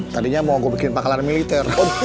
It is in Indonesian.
tadinya mau gue bikin pakalan militer